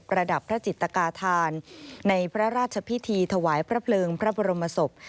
ระดับพระจิตกาธานในพระราชพิธีถวายพระเพลิงพระบรมศพ